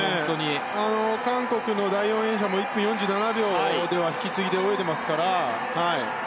韓国の第４泳者も１分４７秒で引き継いで泳いでますから。